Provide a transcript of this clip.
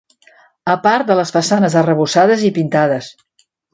A part de les façanes arrebossades i pintades.